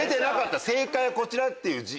「正解はこちら」っていう字。